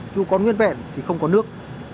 trụ còn nguyên vẹn thì không có nước